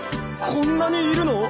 こんなにいるの？